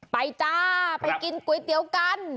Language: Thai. จ้าไปกินก๋วยเตี๋ยวกัน